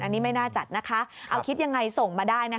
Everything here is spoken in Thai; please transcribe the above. อันนี้ไม่น่าจัดนะคะเอาคิดยังไงส่งมาได้นะคะ